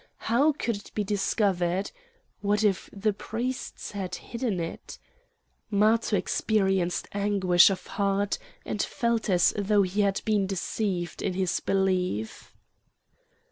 How could it be discovered? What if the priests had hidden it? Matho experienced anguish of heart and felt as though he had been deceived in his belief.